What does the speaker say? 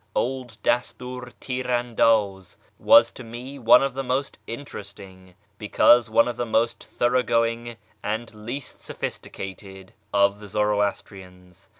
Old Dastiir Tir andaz was to me one of the most interest ing, because one of the most thoroughgoing and least sophisticated, of the Zoroastrians.